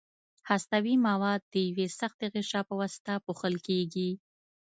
هستوي مواد د یوې سختې غشا په واسطه پوښل کیږي.